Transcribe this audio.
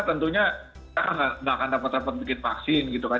tentunya tidak akan dapat dapat bikin vaksin gitu kan